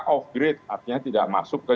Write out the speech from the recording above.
off grade artinya tidak masuk ke